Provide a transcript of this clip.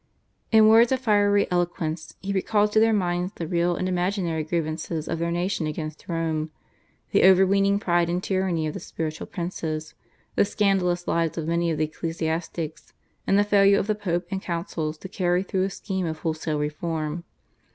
In words of fiery eloquence he recalled to their minds the real and imaginary grievances of their nation against Rome, the over weening pride and tyranny of the spiritual princes, the scandalous lives of many of the ecclesiastics, and the failure of the Pope and councils to carry through a scheme of wholesale reform.